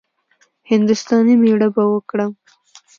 هـنـدوستانی ميړه به وکړم.